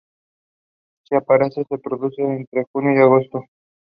Si aparecen, se producen entre junio y agosto.